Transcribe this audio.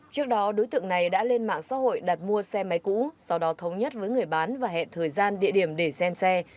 trước đó đối tượng này đã lên mạng xã hội đặt mua xe máy cũ sau đó thống nhất với người bán và hẹn thời gian địa điểm để xem xe